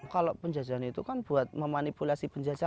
kalau penjajahan itu kan buat memanipulasi penjajahan